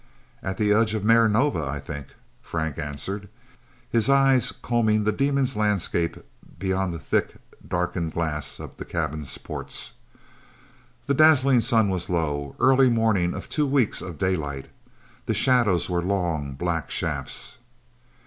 "At the edge of Mare Nova, I think," Frank answered, his eyes combing the demons' landscape beyond the thick, darkened glass of the cabin's ports. The dazzling sun was low early morning of two weeks of daylight. The shadows were long, black shafts.